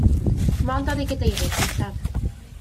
Mond oedd ei gadeirydd cyntaf.